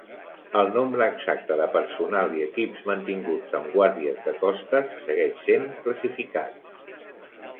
El nombre exacte de personal i equips mantinguts amb guàrdies de costes segueix sent classificats.